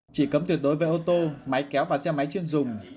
chỉ cấm tuyệt đối với ô tô máy kéo và xe máy chuyên dùng